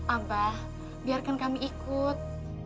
abah biarkan kami ikut